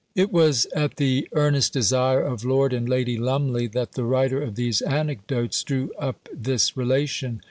" It was at the earnest desire of Lord and Lady Lumley that the writer of these anecdotes drew up this relation.